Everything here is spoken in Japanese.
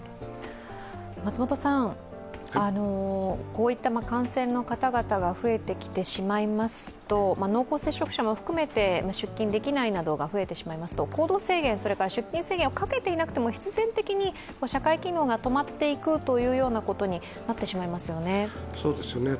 こういった感染の方々が増えてきてしまいますと濃厚接触者も含めて出勤できなくなると行動制限、出勤制限をかけていなくても必然的に社会機能が止まっていくということになってしまいますよね。